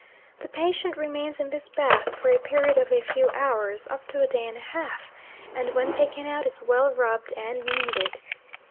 The patient remains in this bath for a period of a few hours, up to a day and a half, and when taken out is well rubbed and kneaded.